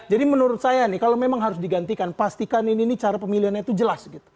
jadi menurut saya nih kalau memang harus digantikan pastikan ini cara pemilihannya itu jelas gitu